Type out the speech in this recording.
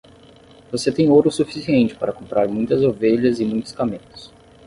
Você tem ouro suficiente para comprar muitas ovelhas e muitos camelos.